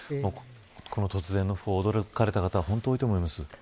この突然の訃報で驚かれた方は本当に多いと思います。